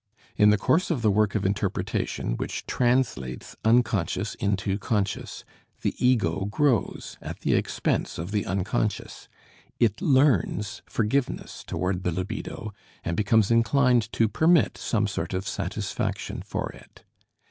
In the course of the work of interpretation, which translates unconscious into conscious, the ego grows at the expense of the unconscious; it learns forgiveness toward the libido, and becomes inclined to permit some sort of satisfaction for it.